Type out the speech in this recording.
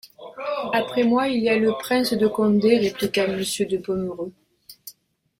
Après moi, il y a le prince de Condé, répliqua Monsieur de Pomereux.